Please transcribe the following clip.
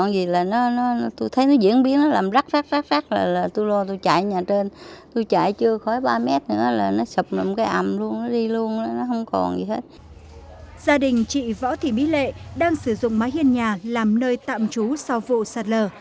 gia đình chị võ thị mỹ lệ đang sử dụng máy hiên nhà làm nơi tạm trú sau vụ sạt lở